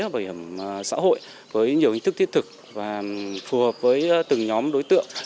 bảo hiểm xã hội với nhiều hình thức thiết thực và phù hợp với từng nhóm đối tượng